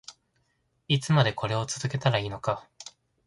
いつまでこれを続けたらいいのか